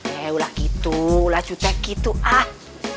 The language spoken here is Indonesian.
eh ulah gitu ulah cutek gitu ah